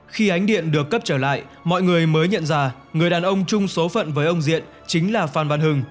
khi ánh điện được cấp trở lại mọi người mới nhận ra người đàn ông chung số phận với ông diện chính là phan văn hưng